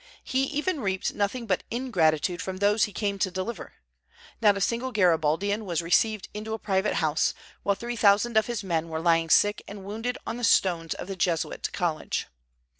He even reaped nothing but ingratitude from those he came to deliver. Not a single Garibaldian was received into a private house, while three thousand of his men were lying sick and wounded on the stones of the Jesuit College.